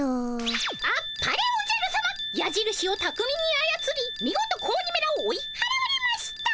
あっぱれおじゃるさま。やじるしをたくみにあやつりみごと子鬼めらを追いはらわれました。